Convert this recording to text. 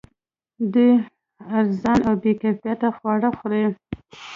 دوی ارزان او بې کیفیته خواړه خوري